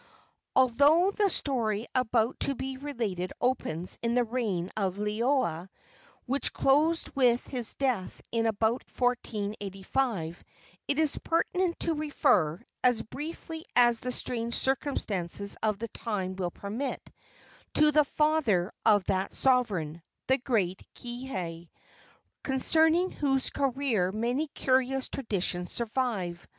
Although the story about to be related opens in the reign of Liloa, which closed with his death in about 1485, it is pertinent to refer, as briefly as the strange circumstances of the time will permit, to the father of that sovereign the great Kiha concerning whose career many curious traditions survive.